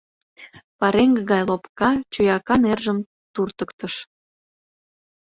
Пареҥге гай лопка, чуяка нержым туртыктыш.